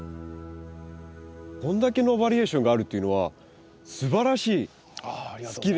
こんだけのバリエーションがあるっていうのはすばらしい！